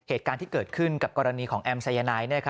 เหตุการณ์ที่เกิดขึ้นกับกรณีของแอมสายนาย